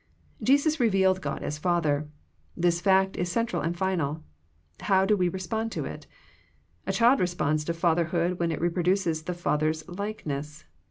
Jesus revealed God as Father. This fact is central and final. How do we respond to it ? A child responds to fatherhood when it reproduces the father's likeness.